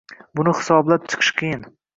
Buni hisoblab chiqish qiyin.